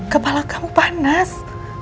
kepala kamu panas